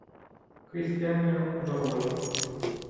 Christiania Norway.